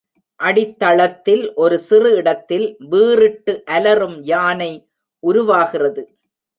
அடித்தளத்தில் ஒரு சிறு இடத்தில் வீறிட்டு அலறும் யானை உருவாகிறது.